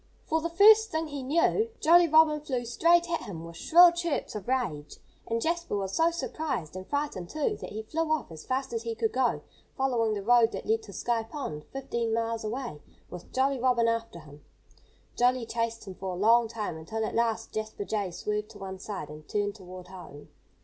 For the first thing he knew, Jolly Robin flew straight at him with shrill chirps of rage. And Jasper was so surprised and frightened, too that he flew off as fast as he could go, following the road that led to Sky Pond, fifteen miles away, with Jolly Robin after him. Jolly chased him for a long time, until at last Jasper Jay swerved to one side and turned toward home.